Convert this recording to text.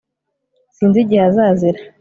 Sinzi igihe azazira